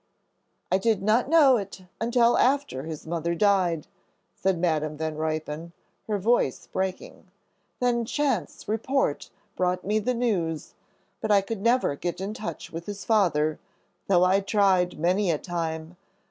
"I did not know it until after his mother died," said Madam Van Ruypen, her voice breaking, "then chance report brought me the news. But I could never get in touch with his father, though I tried many a time.